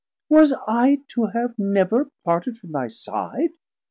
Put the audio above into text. Was I to have never parted from thy side?